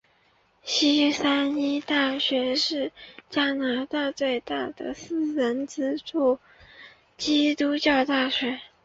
西三一大学是加拿大最大的私人资助的基督教大学。